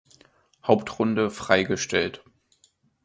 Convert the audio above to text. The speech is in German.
Hauptrunde freigestellt.